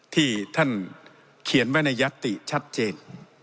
ที่ท่านเขียนไว้ในยัตติชัดเจน